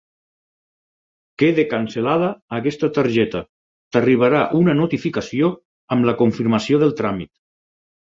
Queda cancel·lada aquesta targeta, t'arribarà una notificació amb la confirmació del tràmit.